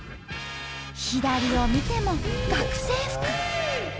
左を見ても「学生服」。